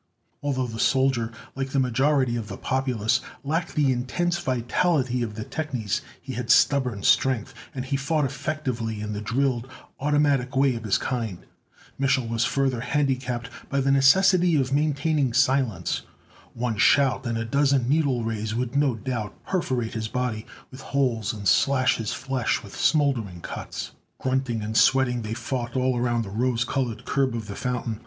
Although the soldier, like the majority of the populace, lacked the intense vitality of the technies, he had stubborn strength, and he fought effectively in the drilled, automatic way of his kind. Mich'l was further handicapped by the necessity of maintaining silence. One shout, and a dozen needle rays would no doubt perforate his body with holes and slash his flesh with smoldering cuts. Grunting and sweating, they fought all around the rose colored curb of the fountain.